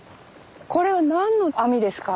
これは何の網ですか？